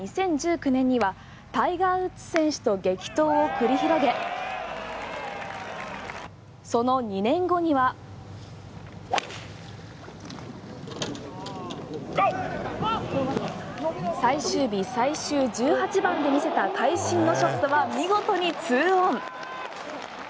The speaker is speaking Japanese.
この大会の旗揚げとなった２０１９年にはタイガー・ウッズ選手と激闘を繰り広げその２年後には最終日最終１８番で見せた会心のショットは見事に２オン。